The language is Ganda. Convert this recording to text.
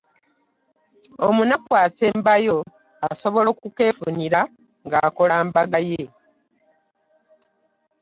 Omunaku asembayo asobola okukeefunira ng’akola mbaga ye.